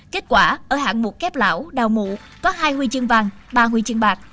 kết quả ở hạng mục kép lão đào mụ có hai huy chương vàng ba huy chương bạc